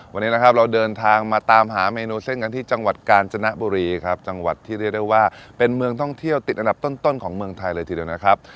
วันนี้นะครับเราเดินทางมาตามหาเมนูเส้นกันที่จังหวัดกาญจนบุรีครับจังหวัดที่เรียกได้ว่าเป็นเมืองท่องเที่ยวติดอันดับต้นของเมืองไทยเลยทีเดียวนะครับ